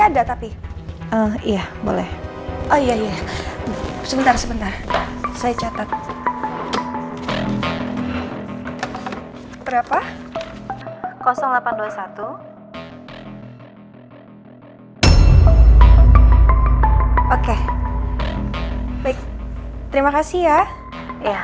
enggak tapi iya boleh oh iya sebentar sebentar saya catat berapa delapan puluh satu oke baik terima kasih ya ya